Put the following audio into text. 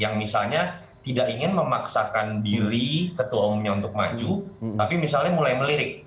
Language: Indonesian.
yang misalnya tidak ingin memaksakan diri ketua umumnya untuk maju tapi misalnya mulai melirik